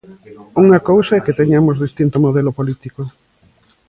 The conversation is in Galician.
Unha cousa é que teñamos distinto modelo político.